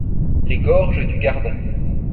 Les gorges du Gardon.